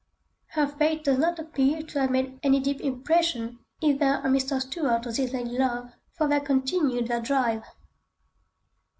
Her fate does not appear to have made any deep impression either on Mr. Stuart or his lady love, for they continued their drive.